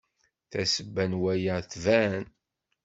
Tasebba n waya tban.